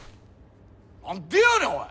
何でやねんおい！